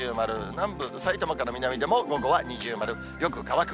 南部、さいたまから南でも午後は二重丸、よく乾く。